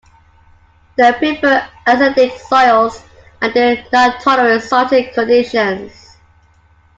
They prefer acidic soils and do not tolerate salty conditions.